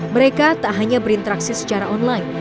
mereka tak hanya berinteraksi secara online